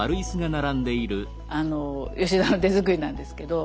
あの吉田の手作りなんですけど。